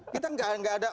kita nggak ada motif apa